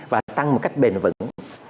và tăng một cách bền vững